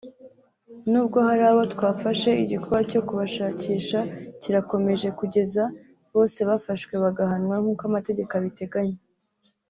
nubwo hari abo twafashe igikorwa cyo kubashakisha kirakomeje kugeza bose bafashwe bagahanwa nk’uko amategeko abiteganya”